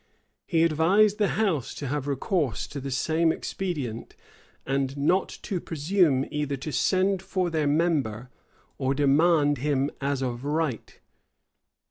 He advised the house to have recourse to the same expedient, and not to presume either to send for their member, or demand him as of right.